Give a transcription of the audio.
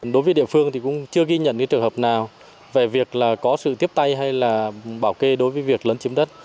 đối với địa phương thì cũng chưa ghi nhận trường hợp nào về việc là có sự tiếp tay hay là bảo kê đối với việc lấn chiếm đất